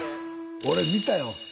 俺見たよ